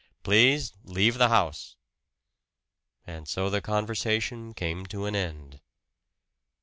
"Please leave the house!" And so the conversation came to an end.